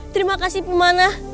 terima kasih pemanah